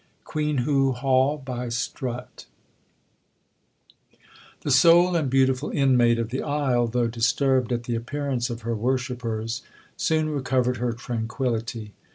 QUEEN HOO HALL, BY STRUTT 'The sole and beautiful inmate of the isle, though disturbed at the appearance of her worshippers, soon recovered her tranquillity.